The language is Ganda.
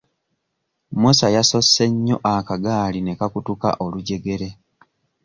Musa yasosse nnyo akagaali ne kakutuka olujjegere.